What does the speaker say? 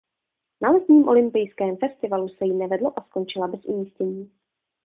Na Letním olympijském festivalu se jí nevedlo a skončila bez umístění.